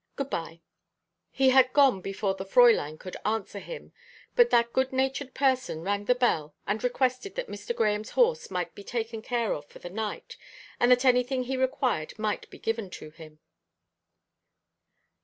Good bye." He had gone before the Fräulein could answer him; but that good natured person rang the bell and requested that Mr. Grahame's horse might be taken care of for the night, and that anything he required might be given to him.